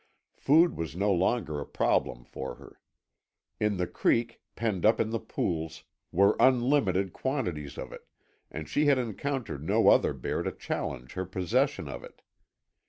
Food was no longer a problem for her. In the creek, penned up in the pools, were unlimited quantities of it, and she had encountered no other bear to challenge her possession of it.